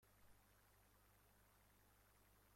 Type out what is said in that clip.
خانه دار هستم.